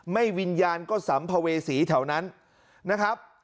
ไม่วิญญาณก็สำพเวศีแถวนั้นนะครับ